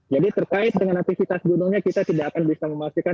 jadi terkait dengan aktivitas gunungnya kita tidak akan bisa memastikan